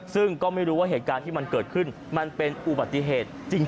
ซึ่งก็ไม่รู้ว่าเหตุการณ์ที่มันเกิดขึ้นมันเป็นอุบัติเหตุจริง